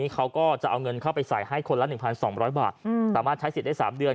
คนละ๑๒๐๐บาทสามารถใช้สิทธิ์ได้๓เดือน